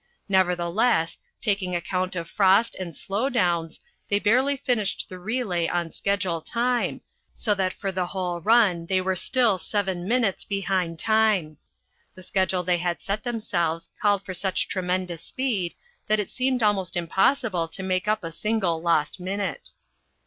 Nevertheless, taking account of frost and slow downs, they barely finished the relay on schedule time, so that for the whole run they were still seven minutes behind time; the schedule they had set themselves called for such tremendous speed that it seemed almost impossible to make up a single lost minute.